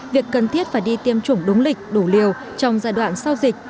việc cần thiết phải đi tiêm chủng đúng lịch đủ liều trong giai đoạn sau dịch